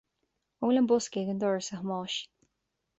An bhfuil an bosca ag an doras, a Thomáis